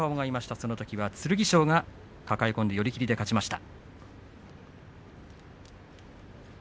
そのときは剣翔が抱え込んで寄り切りで勝ちました。